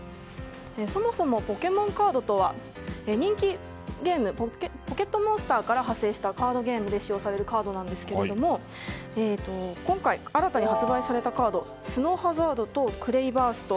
そもそもポケモンカードとは人気ゲーム「ポケットモンスター」から派生したカードゲームで使用されるカードですが今回、新たに発売されたカードスノーハザードとクレイバースト。